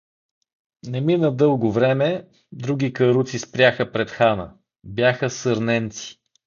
Не мина дълго време, други каруци спряха пред хана: бяха сърненци.